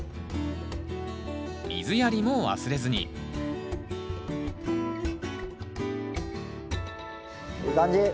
水やりも忘れずにいい感じ。